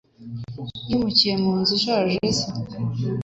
Yimukiye mu nzu ishaje ya se.